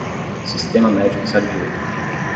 Sistema médico sadio